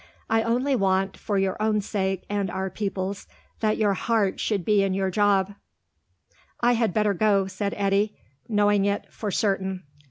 I only want, for your own sake and our people's, that your heart should be in your job." "I had better go," said Eddy, knowing it for certain.